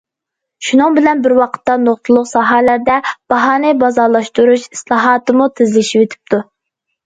شۇنىڭ بىلەن بىر ۋاقىتتا، نۇقتىلىق ساھەلەردە باھانى بازارلاشتۇرۇش ئىسلاھاتىمۇ تېزلىشىۋېتىپتۇ.